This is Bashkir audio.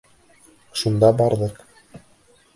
Шунда барҙыҡ.